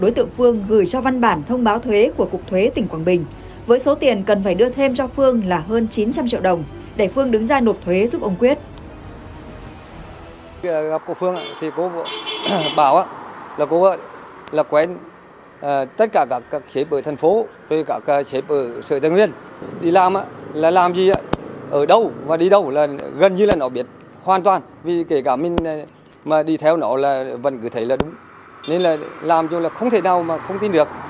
đối tượng phương gửi cho văn bản thông báo thuế của cục thuế tỉnh quảng bình với số tiền cần phải đưa thêm cho phương là hơn chín trăm linh triệu đồng để phương đứng ra nộp thuế giúp ông quyết